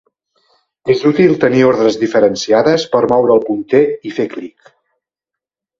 És útil tenir ordres diferenciades per moure el punter i fer clic.